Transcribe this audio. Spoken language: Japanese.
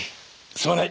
すまない。